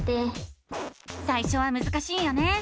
さいしょはむずかしいよね！